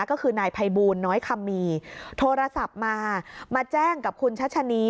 ก็คือนายภัยบูลน้อยคำมีโทรศัพท์มามาแจ้งกับคุณชัชนี